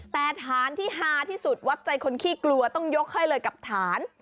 แต่ฐานที่ฮาที่สุดวัดใจคนขี้กลัวต้องยกให้เลยกับฐาน